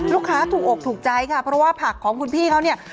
ลูกค้าถูกอกถูกใจค่ะเพราะว่าผักของคุณพี่เขาเนี่ย